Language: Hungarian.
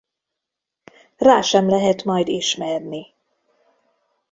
Rá sem lehet majd ismerni.